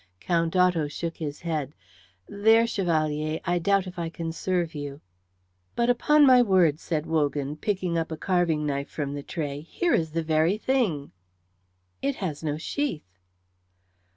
Count Otto shook his head. "There, Chevalier, I doubt if I can serve you." "But upon my word," said Wogan, picking up a carving knife from the tray, "here is the very thing." "It has no sheath."